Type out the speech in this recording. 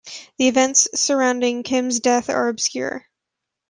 The events surrounding Kim's death are obscure.